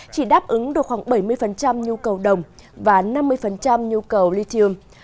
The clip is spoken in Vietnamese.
chỉ đáp ứng được khoảng bảy mươi nhu cầu đồng và năm mươi nhu cầu lithium